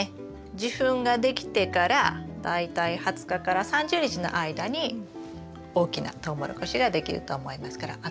受粉ができてから大体２０日から３０日の間に大きなトウモロコシができると思いますからあと１か月弱ですね。